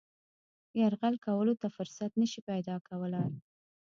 یرغل کولو ته فرصت نه شي پیدا کولای.